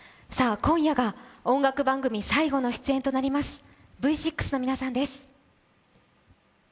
今夜が、音楽番組最後の出演となりますＶ６の皆さんです。